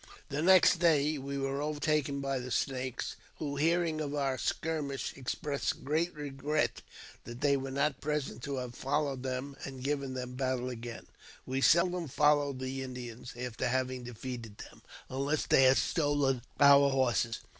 The next day we were overtaken by the Snakes, wh< hearing of our skirmish, expressed great regret that they wei not present to have followed them and given them battle agah We seldom followed the Indians after having ^defeated themj unless they had stolen our horses.